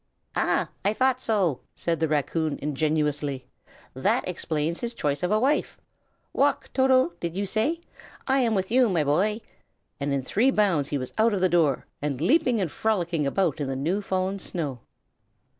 "Ah, I thought so!" said the raccoon, ingenuously. "That explains his choice of a wife. Walk, Toto, did you say? I am with you, my boy!" and in three bounds he was out of the door, and leaping and frolicking about in the new fallen snow.